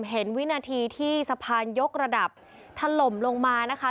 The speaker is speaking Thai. วินาทีที่สะพานยกระดับถล่มลงมานะคะ